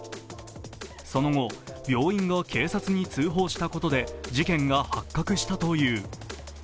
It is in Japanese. その後、病院が警察に通報したことで事件が発覚したという。